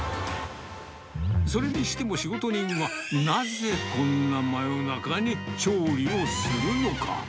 それにしても仕事人は、なぜこんな真夜中に調理をするのか。